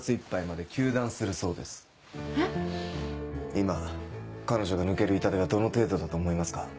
今彼女が抜ける痛手はどの程度だと思いますか？